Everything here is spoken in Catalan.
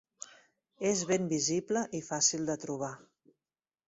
És ben visible i fàcil de trobar.